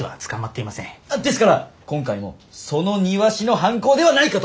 ですから今回もその庭師の犯行ではないかと！